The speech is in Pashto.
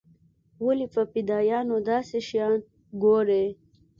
ولې په فدايانو داسې شيان ګوري.